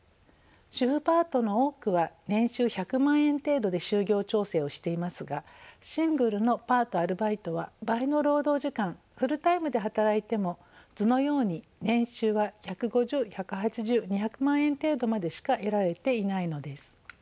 主婦パートの多くは年収１００万円程度で就業調整をしていますがシングルのパートアルバイトは倍の労働時間フルタイムで働いても図のように年収は１５０１８０２００万円程度までしか得られていないのです。